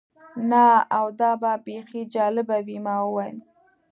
نه، او دا به بیخي جالبه وي. ما وویل.